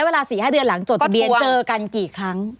เวลา๔๕เดือนหลังจดทะเบียนเจอกันกี่ครั้ง